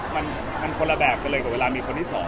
มันคนละแบบกันเลยกับเวลามีคนที่๒